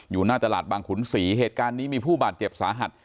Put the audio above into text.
หน้าตลาดบางขุนศรีเหตุการณ์นี้มีผู้บาดเจ็บสาหัส